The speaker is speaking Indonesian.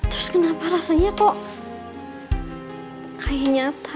terus kenapa rasanya kok kayak nyata